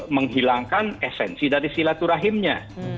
menghilangkan esensi dari silaturahimnya